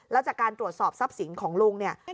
แล้วจากการตรวจสอบทรัพย์สินของลุงเนี่ย